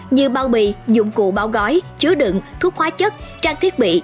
như bao bì dụng cụ bao gói chứa đựng thuốc hóa chất trang thiết bị